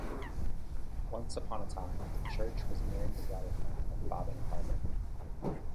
Once upon a time the church was near the waterfront of Fobbing Harbour.